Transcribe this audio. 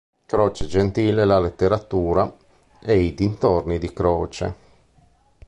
Croce, Gentile e la letteratura" e "I dintorni di Croce.